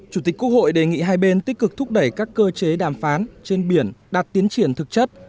chủ tịch quốc hội đề nghị hai bên tích cực thúc đẩy các cơ chế đàm phán trên biển đạt tiến triển thực chất